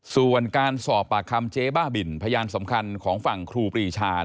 ส่วนการสอบปากคำเจ๊บ้าบินพยานสำคัญของฝั่งครูปรีชา